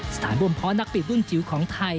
สถานบริษัทนักบิดรุ่นจิ๋วของไทย